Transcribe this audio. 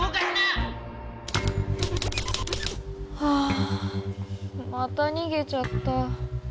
はぁまたにげちゃった。